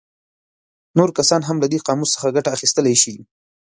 نور کسان هم له دې قاموس څخه ګټه اخیستلی شي.